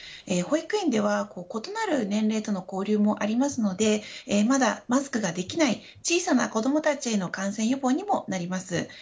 保育園では異なる年齢との交流もありますのでまだマスクができない小さな子どもたちへの感染予防にもなります。